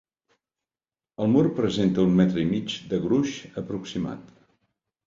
El mur presenta un metre i mig de gruix aproximat.